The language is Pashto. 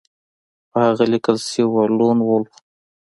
په هغه لیکل شوي وو لون وولف